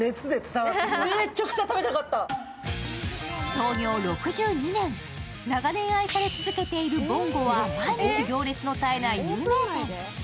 創業６２年、長年愛され続けているぼんごは毎日行列の絶えない有名店。